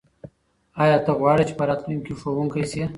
آیا ته غواړې چې په راتلونکي کې ښوونکی شې؟